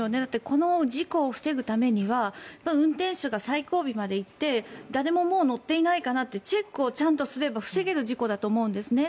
この事故を防ぐためには運転手が最後尾まで行って誰も乗ってないかなってチェックをちゃんとすれば防げる事故だと思うんですね。